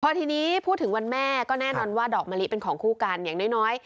พอทีนี้พูดถึงวันแม่ก็แน่นอนว่าดอกมะลิเป็นของคู่กันอย่างน้อย